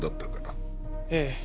ええ。